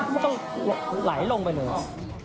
ก็ต้องไหลลงไปเลย